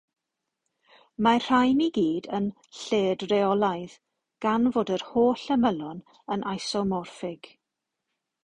Mae'r rhain i gyd yn "lled-reolaidd" gan fod yr holl ymylon yn isomorffig.